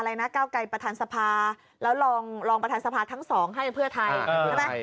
อะไรนะก้าวไกรประธานสภาแล้วลองประธานสภาทั้งสองให้เพื่อไทย